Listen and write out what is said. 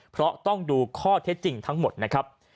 เพราะต้องดูข้อเท็จจริงทั้งหมดนะครับ